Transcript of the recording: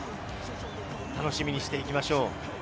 楽しみにしていきましょう。